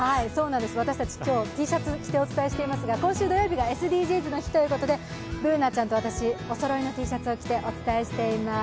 私たち、今日Ｔシャツを着てお伝えしていますが今週土曜日が「ＳＤＧｓの日」ということで、Ｂｏｏｎａちゃんと私、おそろいのＴシャツを着てお伝えしています。